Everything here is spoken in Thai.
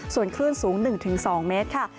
ส่วนคลื่นสูง๑๒เมตรค่ะ